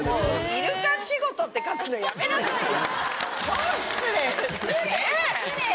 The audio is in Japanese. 「イルカ仕事」って書くのやめなさいよ！